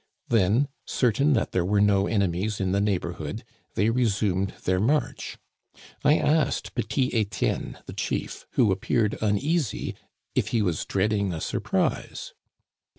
Then, certain that there were no enemies in the neighborhood, they resumed their march. I asked Petit Étienne, the chief, who appeared uneasy, if he was dreading a surprise.